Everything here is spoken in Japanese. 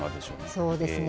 そうですね。